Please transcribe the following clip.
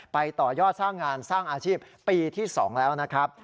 ต่อยอดสร้างงานสร้างอาชีพปีที่๒แล้วนะครับ